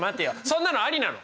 そんなのありなの？